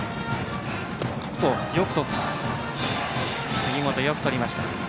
杉本、よくとりました。